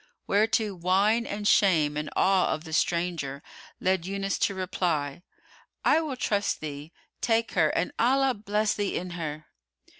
Whereto wine and shame and awe of the stranger led Yunus to reply, "I will trust thee; take her and Allah bless thee in her!"